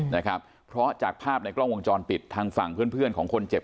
นะครับเพราะจากภาพในกล้องวงจรปิดทางฝั่งเพื่อนเพื่อนของคนเจ็บ